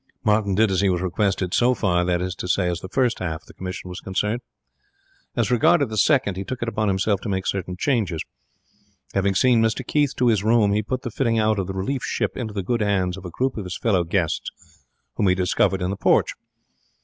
Martin did as he was requested so far, that is to say, as the first half of the commission was concerned. As regarded the second, he took it upon himself to make certain changes. Having seen Mr Keith to his room, he put the fitting out of the relief ship into the good hands of a group of his fellow guests whom he discovered in the porch.